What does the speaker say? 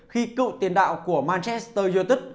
khi cựu tiền đạo của manchester united